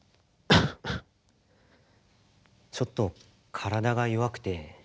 ちょっと体が弱くて。